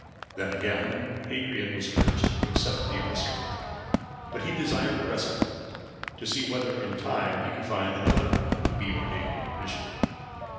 Then again Hadrian was urged to accept the episcopate; but he desired a respite, to see whether in time he could find another to be ordained bishop.